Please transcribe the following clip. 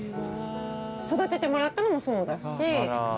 育ててもらったのもそうだし。